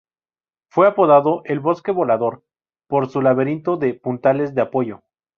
Fue apodado "el "bosque volador" por su laberinto de puntales de apoyo.